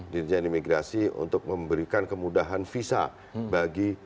dirijen imigrasi untuk memberikan kemudahan visa bagi